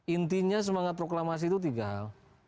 intinya semangat proklamasi itu tiga hal